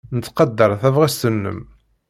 Nettqadar tabɣest-nnem.